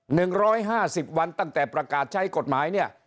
หนึ่งร้อยห้าสิบวันตั้งแต่ประกาศใช้กฎหมายเนี่ย